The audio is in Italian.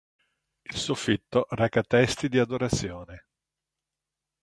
Il soffitto reca testi di adorazione.